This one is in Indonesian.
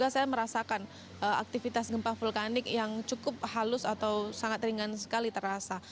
saya merasakan aktivitas gempa vulkanik yang cukup halus atau sangat ringan sekali terasa